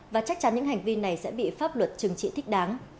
và chắc chắn những hành vi này sẽ bị pháp luật chứng chỉ thích đáng